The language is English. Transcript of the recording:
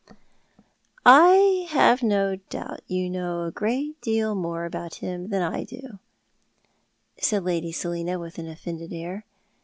" I have no doubt you know a great deal more about him tlian I do," said Lady Selina, with an offended air.